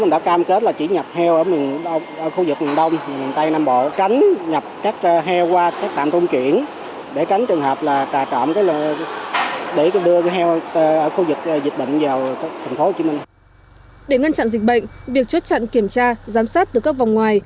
để ngăn chặn dịch bệnh việc chốt chặn kiểm tra giám sát từ các vòng ngoài